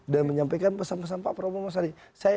dan menyampaikan pesan pesan pak prabowo dan bang sandy